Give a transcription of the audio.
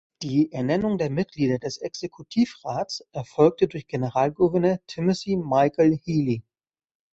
Die Ernennung der Mitglieder des Exekutivrats erfolgte durch Generalgouverneur Timothy Michael Healy.